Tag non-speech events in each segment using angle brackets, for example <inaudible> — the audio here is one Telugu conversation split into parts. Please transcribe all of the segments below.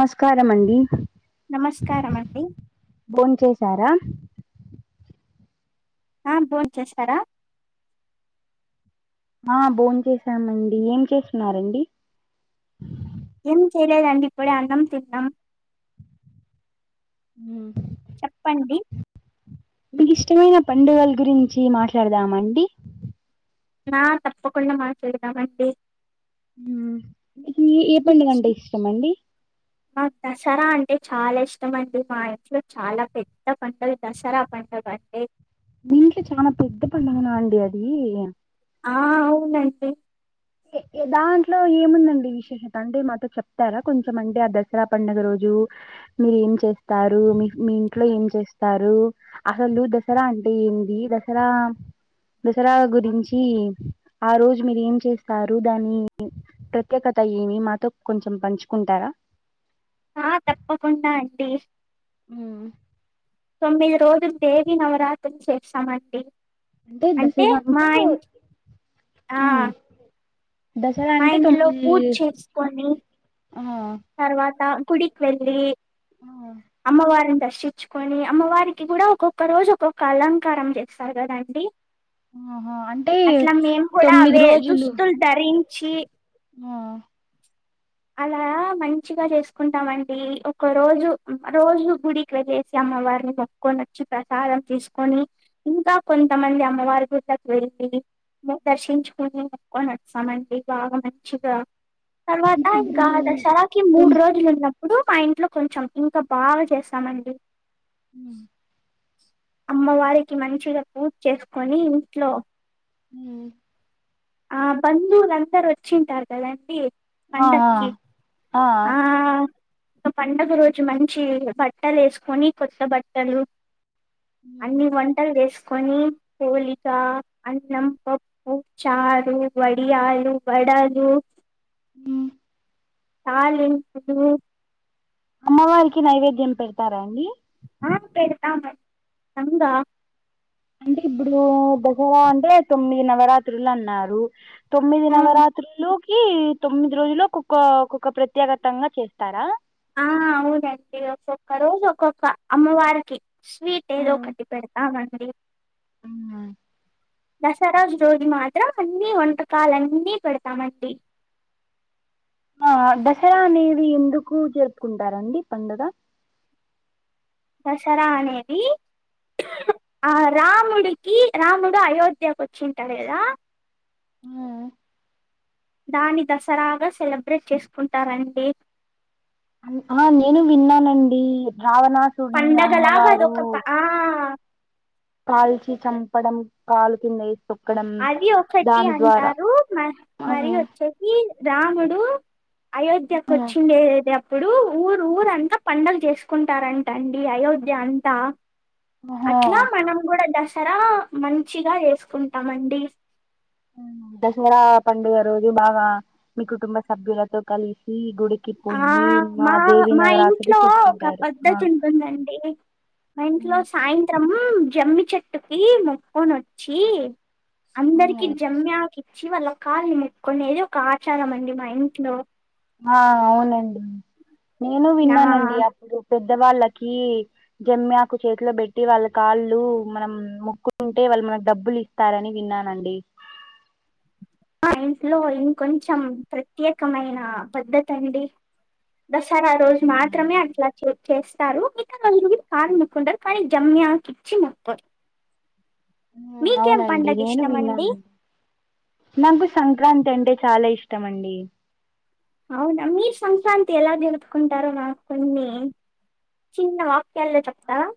నమస్కారం అండి నమస్కారం అండి భోంచేసారా అవును భోంచేసారా ఆ భోన్ చేసామండి ఏం చేస్తున్నారండి ఏం చెయ్యలేదండి ఇప్పుడే అన్నం తిన్నం ఉ చెప్పండి మీకు ఇష్టమైన పండుగల గురించి మాట్లాడదామ అండి ఆ తప్పకుండా మాట్లాదామండి మీకీ ఏ పండుగ అంటే ఇష్టమండి నాకు దసరా అంటే చాలా ఇష్టమండి మా ఇంట్లో చాలా పెద్ద పండగ దసరా పండుగ అంటే మీ ఇంట్లో చాలా పెద్ద పండగ నా అండి అది ఆ అవునండి దాంట్లో ఏముందండి విశేషత అంటే మాతో చెప్తారా కొంచెం అంటే ఆ దసరా పండుగ రోజు మీరు ఏం చేస్తారు మీ మీ ఇంట్లో ఏం చేస్తారు అసలు దసరా అంటే ఏంది దసరా దసరా గురించి ఆ రోజు మీరు ఏం చేస్ సారు దాని ప్రత్యేకత ఏమి మాతో కొంచెం పంచుకుంటారా ఆ తప్పకుండా అండి మ్మ్ తొమ్మిది రోజులు దేవి నవరాత్రి చేస్తామండి అంటే దసరా మా అంటే ఇంట్ ఆ మ్మ్ మా ఇంట్లో పూజ చేసుకొని ఆ తర్వాత గుడికి వెెళ్లి దక్షించుకొని అమ్మవారికి కూడా ఒక్కొక్క రోజు ఒక్కొక్క అలంకారం చేస్తారు కదండి ఆహో అంటే అట్లా తొమ్మిది రోజులు చి ఆ అలా మంచిగా చేసుకుంటామండి ఒకో రోజు రోజు గుడికి వెళ్ళేసి అమ్మవారిని మొక్కోని వచ్చి ప్రసాదం తీసుకొని ఇంకా కొంతమంది అమ్మవారి గుడ్లకి వెళ్ళి దర్శించుకుని మొక్కని వస్తామండి బాగా మంచిగా తర్వాత అంటే ఇప్పుడు ఇంకా దసరాకి మూడు తొమ్ రోజులు ఉన్నప్ప ఇప్పుడు మా ఇంట్లో కొంచెం ఇంకా బాగా చేస్తామండి అమ్మవారికి మంచిగా పూజ చేసుకొని ఇంట్లో హ్మ ఆ బంధువులందరూ వచ్చింటారు కదండి ఆ పండగకి ఆ ఇం పండుగ రోజు మంచి బట్టలు వేసుకొని కొత్త బట్టలు అన్ని వంటలు చెస్ కొని పోలిక అన్నం పోప్పు చారు వడియాలు వడలు మ్మ్ పాలు పెరుగు అమ్మవారికి నైవేద్యం పెడతారా అండి ఆ పెడతాం అండి కచ్చితంగా అంటే ఇప్పుడు దసరా అంటే తొమ్మిది నవరాత్రులు అన్నారు తొమ్మిది ఆ నవరాత్రులు ఈ తొమ్మిది రోజులు ఒక్కక్క ఒక్కొక్క ప్రత్యేకతంగా చేస్తారా ఆ అవునండి ఒక్కొక్క రోజు ఒక్కొక్క అమ్మవారికి స్వీట్ ఏదో కట్టి పెడతాంము <inaudible> దసరాజు రోజు మాత్రం అన్నిీ వంటకాలన్నీ పెడతామండి ఆ దసరా అనేవి ఎందుకు జరుపుకుంటారంండి పండుగ దసరా అనేది ఆ రాముడికి రాముడు అయోధ్యకు వచ్చింటాడు కదా హ్మ దాని దసరాగా సెలబ్రేట్ చేసుకుంటారండి ఆ నేను విన్నానండి రావణాసుడిని పండగలాగ అది అమ్మవారు ఒకప్ప ఆ కాల్చి చంపడం కాలు కిందయి అది ఒకటి అంటారు మ మరి వచ్చేసి రాముడు అయోధ్యకు ఆహా వచ్చిందేద ఇప్పుడు ఊరు ఊరంతా పడుగ చేసుకుంటారంట అండి అయోధ్య అంతా అట్లా మనం కూడా దష్ తర మంచిగా వేసుకుంట తమండి దసరా పండుగ రోజు బాగా మీ కుటుంబ సభ్యులతో కలిసి గుడి ఆ మా మా ఇంట్లో ఒక చేసుకుంటారు ఆ పద్ధతి ఉంటుందండి, మా ఇంట్లో సాయంత్రం జమ్మి చెట్టుకి ముక్కొన్ వచ్చి అందరికి జమ్యాకి చి వల్ల కాళ్ళు ముక్కొనేది ఒక ఆచారం అండి మా ఇంట్లో ఆ అవునండి నేను నా విన్నానండి అప్పుడు పెద్ పెద్దవాళ్ళకి జమ్మి ఆకు చేతిలో పెట్టి వాళ్ళ కాళ్ళు మనం ముక్కుతుంటే వాళ్ళు మనకు డబ్బులు ఇస్తారని విన్నానండి. మా ఇంట్లో ఇంకొంచెం ప్రత్యేకమైన పద్ధతి అండి దసరా రోజు హ్మ్. మాత్రమే అట్లా చె చేస్తారు ఇక నలుకు కాళ్ళు మక్కుంటారు కానీ జమ్యాకి ఇచ్చి ముక్కుతరు ఉ అవునండి నేను ఇష్టం అండి విన్నాను నాకు సంక్రాంతి అంటే చాలా ఇష్టం తమండి అవునా మీరు సంక్రాంతి ఎలా జరుపుకుంటారో మాకు కొన్ని చిన్న వాక్యాల్లో చెప్తారా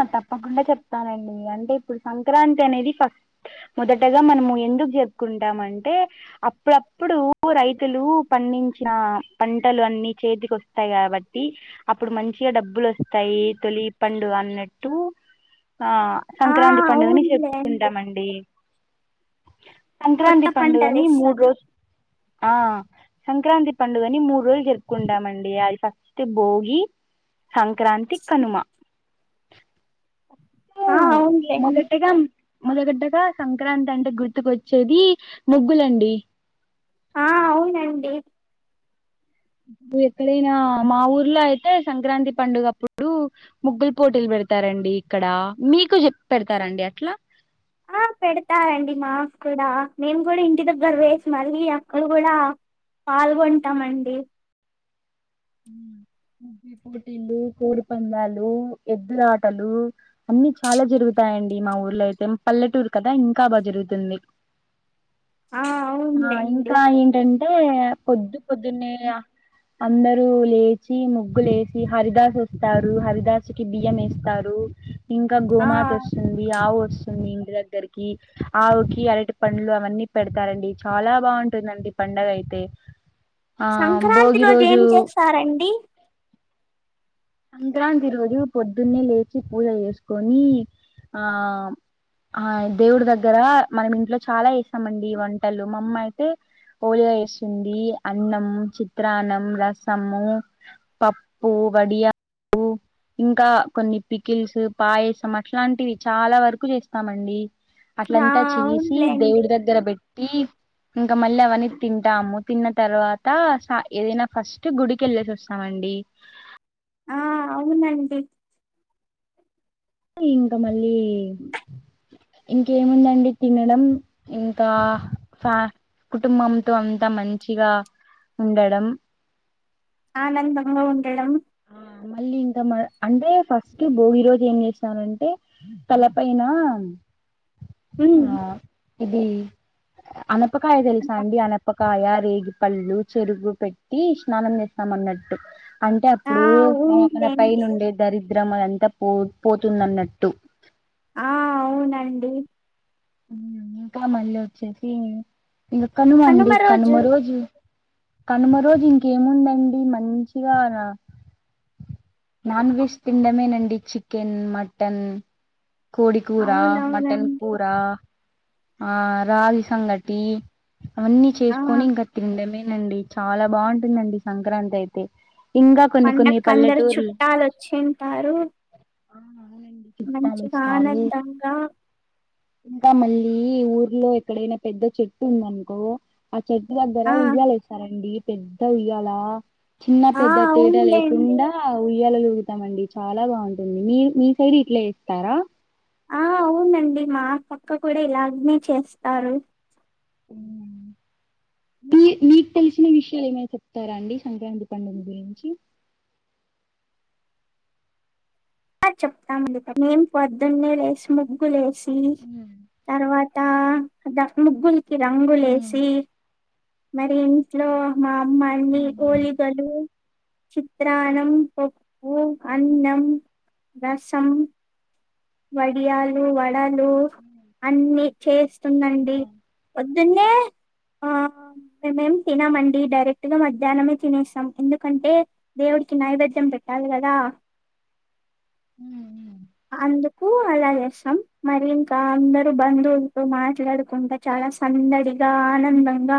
ఆ తప్పకుండా చెప్తానండి అంటే ఇప్పుడు సంక్రాంతి అనేది ఫస్ట్ మొదటగా మనము ఎందుకు చెప్పుకుంటాం, అంటే అప్పుడప్పుడు రైతులు పండించిన పంటలు అన్నీ చేతికి వస్తాయి, కాబట్టి అప్పుడు మంచిగా డబ్బులు వస్తాయి. తొలి ప వన్ టు ఆ ఆ సంక్రాంతి పండుగని అవునులేండి చెప్పుకుంటామండి కొత్త సంక్రాంతి పంటలు పండుగని మూడు ఏస్తారు రోజులు ఆ సంక్రాంతి పండుగని మూడు రోజులు జరుపుకుంటామండి అది ఫస్ట్ భోగి సంక్రాంతి కనుమ ఉ ఆ అవునులేండి మొదటిగామ్ మొదగడ్డగా సంక్రాంతి అంటే గుర్తుకు వచ్చేది ముగ్గులండి ఆ అవునండి ఇప్పుడు ఎక్కడైనా మా ఊర్లో అయితే సంక్రాంతి పండుగ అప్పుడు ముగ్గులు పోటీలు పెడతారండి. ఇక్కడ మీకు చెప్ పెడతారండి అట్లా, ఆ పెడతారండి మాక్కూడా మేము కూడా ఇంటి దగ్గర వేసి మళ్ళీ అక్కడ కూడా పాల్గొంటామండి. ఉమ్ ముగ్గుల పోటీలు, కోడి పందాలు, ఎద్దులాటలు అన్నీ చాలా జరుగుతాయండి మా ఊర్లో అయితే పల్లెటూరు కదా ఇంకా బాగ జరుగుతుంది. ఆ ఆ అవునులేండి ఇంకా ఏంటం ఏ పొద్దు పొద్దున్నే అందర్ ప లేచి ముగ్గులేసి హరిదాస్ వస్తారు హరిదాసు కి బియ్యం వేస్తారు ఇంకా ఆ గోమాత వస్తుంది ఆవు వస్తుంది ఇంటి దగ్గరికి ఆవుకి అరటి పండ్లు అవన్నీ పెడతారండి చాలా బాగుంటుందండి పండగ అయితే ఆ భోగి రోజు స్తారండి సంక్రాంతి రోజు పొద్దున్నే లేచి పూజ చేసుకొని ఆ ఆ దేవుడి దగ్గర మనం ఇంట్లో చాలా వేస్తామండి వంటలు మామ్మ అయితే హోయ వేస్తుంది అన్నం, చిత్రాన్నం, రసము, పప్పు, వడియా ఇంకా కొన్ని పికిల్స్, పాయసం అట్లాంటివి చాలా వరకు చేస్తామండి ఆ అట్లంతా చేసి అవునులేండి దేవుడి దగ్గర పెట్టి ఇంక మళ్ళీ అవన్నీ తింటాము తిన్న తర్వాత ఏదైనా ఫస్ట్ గుడికి వెళ్ళేసి వస్తామండి ఆ అవునండి ఇంక మళ్ళీ ఇంకేముందండి తినడం ఇంకా ఫ్యా కుటుంబంతో అంతా మంచిగా ఉండడం ఆ నం దంగ ఉండడం ఆ మళ్ళీ ఇంకా మ అంటే ఫస్ట్ బోగి రోజూ ఎంచె చలంటే తల పైన ఉమ్ ఆ ఇది అనపకాయ తెల్సా అండి అనప కాయ, రేగి పళ్ళు, చెరుగు పెట్టి స్నానం చేస్తాం అన్నట్టు అంటే ఆ ఇప్పుడు మనకు పై అవునులేండి నుండే దరిద్రం మంతా పో పోతుందన్నట్టు ఆ అవునండి ఇంకా మళ్ళ వచ్చెసి ఇంక కనుమ అండి కనుమ రోజు కనుమ రోజు ఇంకేముందండి మంచిగాన నాన్ వెెజ్ తిండమే నండి చికెన్ మటన్ కోడి కూరా మటన్ అవునవునండి కూరా ఆ రాగి సంగటి అవన్నీ ఆ చేసుకొని ఇంకా తిండ మే అండి చాలా బాగుంటుందండి సంక్రాంతి అయితే ఇంకా కొన్ని కొన్ని పండకు అందరు పల్లెటూర్లు చుట్టాలు వచ్చింటారు ఆ మంచిగా ఆనందంగా చింకా మల్ ది ఈ ఊర్లో ఎక్కడైనా పెద్ద చెట్టు ఉంద అనుకో చెట్ దగ్గర ఆ ఊయల వేసారండి పెద్ద ఊయ్యాల చిన్న ఆ పెద్ద తేడా అవునులేండి లేకుండా ఊయ్యల ఉగుతామండి చాలా బాగుంటుంది మీ మీ సైడ్ ఇట్లా ఇస్తారా ఆ అవునండి మా పక్క కూడా ఇలా అగ్నే చేస్తారు మీ మీకు తెలిసిన విషయాలు ఏమైనా చెప్తారా అండి సంక్రాంతి పండుగ గురించి చెప్తా మండి మేం పొద్దున్న లేసు ముగ్గు లేసి ఉమ్ తర్వాత తా జ ముగ్గు కి రంగులేసి మరి ఇంట్లో మా మీళ్ళి కోలీగలు చిత్రాణం ఓ అన్నం రసం వడియాలు వడలు అన్ని చేస్ వస్తుందండి తిన్ లే ఆ మేమేం తినమండి డైరెక్ట్ గా మధ్యాహ్నమే తినేస్తాం ఎందుకంటే దేవుడికి నైవేద్యం పెట్టాలి కదా అందు క్కు అలా చేస్తాం మరి ఇంకా అందరు బంధువులతో మాట్లాడుకుంటా చాలా సందడిగా ఆనందంగా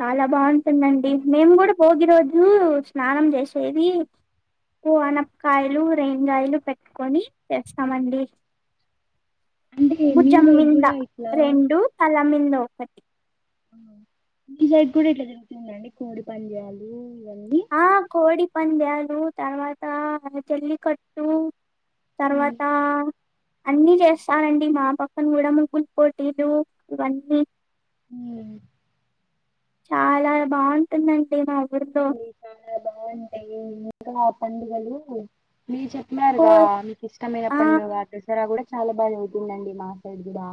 చాలా బాగు ఉందండి మేము కూడా భోగి రోజు స్నానం చేసేది ఓ అనపకాయలు రెకాయలు పెట్టుకొని చేస్త చమండి అంటే మీ సైడ్ భుజంమీంద కూడా ఇట్లా రెండు తల మ న ఒక ఒకటి మీ సైడ్ కూడా ఇట్లా జరుగుతుందండి కోడి పందాలు అండి పంద్యాలు తర్వాత చెల్లి కట్టు తర్వాత అన్ని చేస్తారండి మా పక్కన కూడా ముగ్గుల్ పోటీలు ఇవన్నీ హమ్ చాలా బాగుంటుందండి అనా అవుడంద అవునండి చాలా బాగుంటాయి ఇంకా పండుగలు మీరు గో చెప్పినారుగా మీకు ఇష్టమైన ఆ పండుగా దసారా కూడా చాలా బాగా అవుతుందండి మా సైడ్ కూడా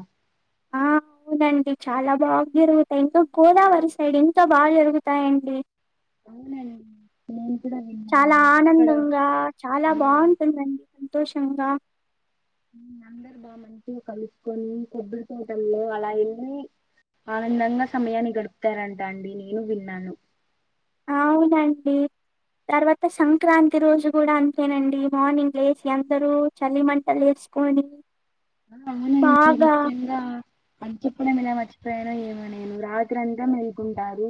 ఆ అవునండి చాలా బాగా జరుగుతాయి ఇంకా గోదావరి సైడ్ ఇంతో బాగా జరుగుతాయండి అవునండి నేను కూడా విన్నాను చాలా అక్కడ ఆనందంగా చాలా ఆ, ఉమ్, బాగుంటుందండి తోషంగా అందరు బా మంచిగా కలుసుకొని కొబ్బరి తోటల్లో అలా వెళ్ళి ఆనందంగా సమయాన్ని గడుపుతారంట అండి నేను విన్నాను అవునండి తర్వాత సంక్రాంతి రోజు కూడా అంతేనండి మార్నింగ్ లేసి అందరూ చలి మంటలు వేసుకొని అవునండి బాగా ముఖ్యంగా అ చెప్పినాను కదా <unintelligible> ఏమైనా ఇంగ రాత్రి అంతా మెళ్ళకుంటారు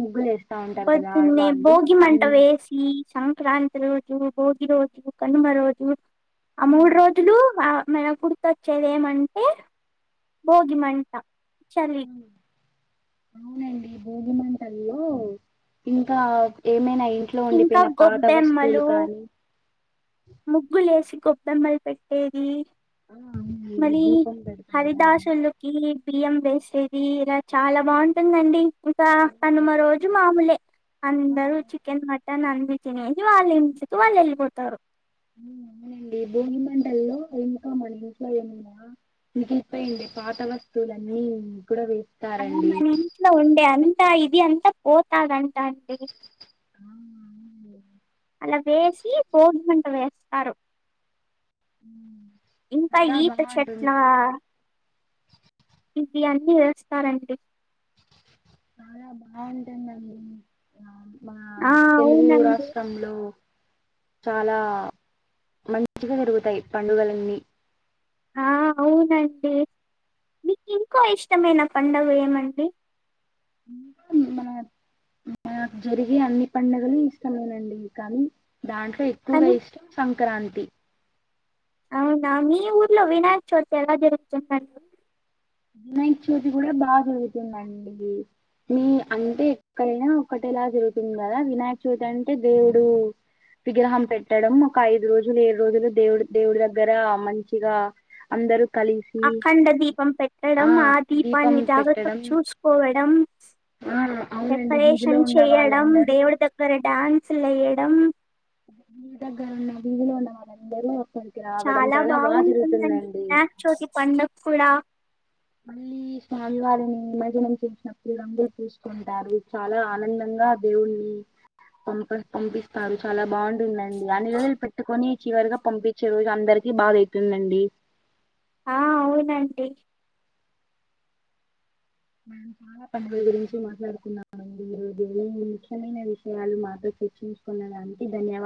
ముగ్గులు వేస్ పొద్దున్నే బోగి మంట వేసి సంక్రాంతి రోజు భోగి రోజు కనుమ రోజు ఆ మూడు రోజులు ఆ మనకి గుర్తొచ్చేది ఏమంటే భోగి మంట చలి అవునండి భోగి మంటల్లో ఇంకా ఏమైనాయి ఇంట్లో ఇంకా ఉండిపోయిన పాత వస్తువులు కానీ ముగ్గులు ఏసి కొబ్బెమ్మలు పెట్టేది ఆ అవునండి మళ్ళీ దీపం పెడతారు కదా అండి. హరిదాసులుకి బియ్యం వేసేది ఇలా చాలా బాగుంటుందండి ఇంకా కనుమ రోజు మామూలే ఆ, అందరు చికెన్ మటన్ అ తినేసి వాళ్ల ఇంటికి వాళ్లు వెళ్లిపోతారు అవునండి భోగి మంటల్లో ఇంకా మన ఇంట్లో ఏమన్నా మిగిలిపోయిడి పాత వస్తువులన్నీ కూడా ఆ వేస్తారండి మన ఇంట్లో ఉండే అ ఇది అంత పోతాదంట అండి ఆ అవునండి అలా వేసి భోగిమంట వేస్తారు ఉమ్, ఇంకా చాలా ఈత చెట్ల బాగుంటుందండి ఇవి అన్నీ వేస్తారండి చాలా బాగుంటుందండి మా ఆ తెలుగు అవునండి రాష్ట్రంలో చాలా మంచిగా జరుగుతాయి పండుగలన్నీ ఆ అవునండి మీకు ఇంకో ఇష్టమైన పండగ ఏమండి మన మ జరిగే అన్ని పండగలు ఇష్టమేనండి కానీ దాంట్లో ఎక్కువగా కానీ ఇష్టం సం సంక్రాంతి అవునా మీ ఊర్లో వినాయక చవితి ఎలా జరుగుతుందండి వినాయక చవితి కూడా బాగా జరుగుతుందండి మీ అంటే ఎక్కడైనా ఒకటేలా జరుగుతుంది కదా వినాయక చవితి అంటే దేవుడు విగ్రహం పెట్టడం ఒక ఐదు రోజులు ఏడు రోజులు దేవుడు దేవుడి దగ్గర మంచిగా అందరు అఖండ దీపం పెట్ పెట్టడం ఆ దీపం దీపాన్ని జాగ్రత్తగా పెట్టడం చూసుకోవడం ఆ అవునండి వీధిలో డెకరేషన్ ఉన్న చేయడం వాళ్ళందరూ దేవుడి దగ్గర డాన్స్లుయ మేడ మీ దగ్గర ఉన్న వీధిలో ఉన్న వాళ్ళందలో చాలా బాగుంటుందండి వినాయక చోతి పడుగ కూడా మళ్ళీ స్వామివారిని నిమజ్జనం చేసినప్పుడు రంగులు చూసుకుంటారు చాలా ఆనందంగా దేవుణి పంప పంపిస్తారు చాలా బాగుంటుందండి దాని వదిలి పెట్టుకొని చివరిగా పంపించే రోజు అందరికిీ బాధ అవుతుందండి ఆ అవునంటడి నేను చాలా పనుల గురించి మాట్లాడుకున్నాను మీరోజు ఏ ముఖ్యమైన విషయాలు మాతో చర్చించుకున్నాడు అంతే ధన్యవాదాలు